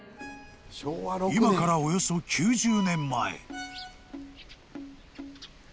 ［今からおよそ９０年前］